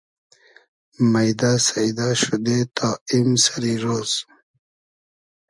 مݷدۂ سݷدۂ شودې تا ایم سئری رۉز